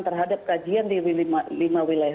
terhadap kajian di lima wilayah